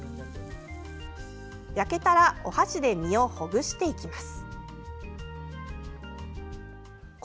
焼けたらお箸で身をほぐしていきます。